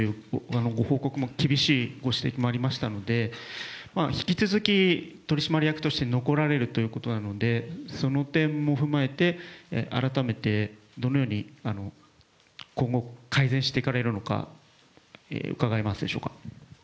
取締役としても善管注意義務もあるのではないかという厳しいご指摘もありましたので、引き続き取締役として残られるということので、その点も踏まえて改めてどのように今後改善していかれるのか伺えますでしょうか